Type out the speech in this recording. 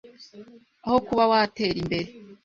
aho kuba watera imbere.